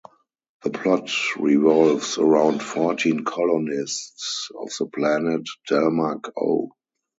The plot revolves around fourteen colonists of the planet Delmak-O.